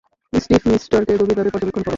স্টিফমিস্টারকে গভীরভাবে পর্যবেক্ষণ কর।